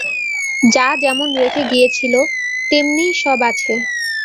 যা যেমন রেখে গিয়েছিল তেমনিই সব আছে।